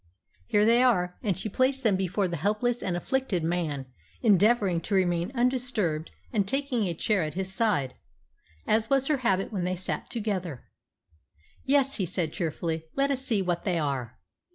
Here they are;" and she placed them before the helpless and afflicted man, endeavouring to remain undisturbed, and taking a chair at his side, as was her habit when they sat together. "Yes," he said cheerfully. "Let us see what they are."